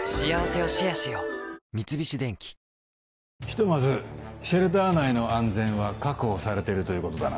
三菱電機ひとまずシェルター内の安全は確保されているということだな？